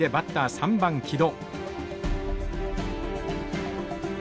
３番木戸。